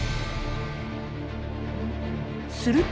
すると。